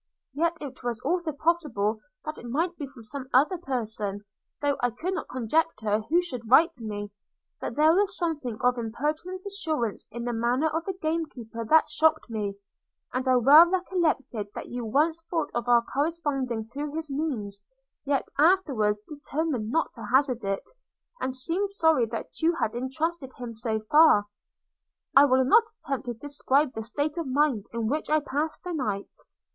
Yet it was also possible that it might be from some other person, though I could not conjecture who should write to me: but there was something of impertinent assurance in the manner of the game keeper that shocked me; and I well recollected that you once thought of our corresponding through his means, yet afterwards determined not to hazard it, and seemed sorry that you had entrusted him so far. I will not attempt to describe the state of mind in which I passed the night.